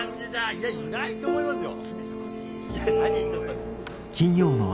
いやいないと思いますよ。